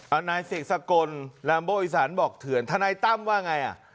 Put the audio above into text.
เอานายเสกสกลลัมโบอีสานบอกเถื่อนทนายตั้มว่าไงอ่ะ